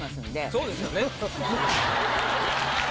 そうですよね。